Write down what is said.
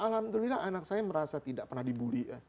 alhamdulillah anak saya merasa tidak pernah dibully